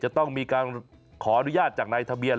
จะต้องมีการขออนุญาตจากนายทะเบียน